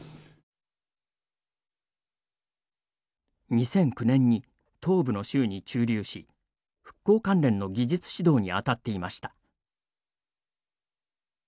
２００９年に東部の州に駐留し復興関連の技術指導に当たっていました。